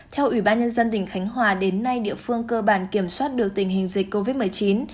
theo ubnd tỉnh cánh hòa đến nay địa phương cơ bản kiểm soát được tình hình dịch covid một mươi chín